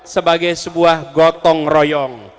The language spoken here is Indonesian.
sebagai sebuah gotong royong